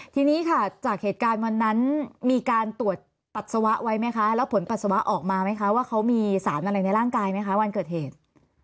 ทีนี้ค่ะจากเหตุการณ์วันนั้นมีการตรวจปัสสาวะไว้ไหมคะแล้วผลปัสสาวะออกมาไหมคะว่าเขามีสารอะไรในร่างกายไหมคะวันเกิดเหตุ